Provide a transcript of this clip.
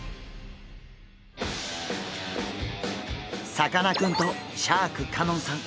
さかなクンとシャーク香音さん